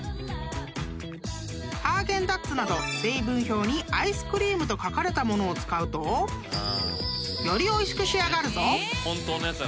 ［ハーゲンダッツなど成分表に「アイスクリーム」と書かれた物を使うとよりおいしく仕上がるぞ］